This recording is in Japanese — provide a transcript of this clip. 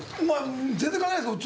全然関係ないですけど